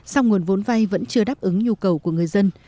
song nguồn vốn vay vẫn chưa đáp ứng nhu cầu của người dân